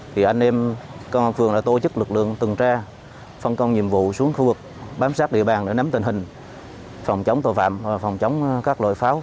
thì anh em công an phường đã tổ chức lực lượng từng tra phân công nhiệm vụ xuống khu vực bám sát địa bàn để nắm tình hình phòng chống tội phạm và phòng chống các loại pháo